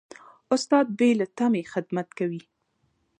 استاد بې له تمې خدمت کوي.